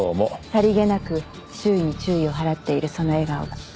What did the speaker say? さりげなく周囲に注意を払っているその笑顔が。